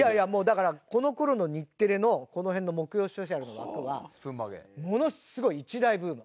だからこの頃の日テレのこの辺の『木曜スペシャル』の枠はものすごい一大ブーム。